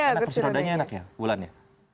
karena kursi rodanya enak ya bulannya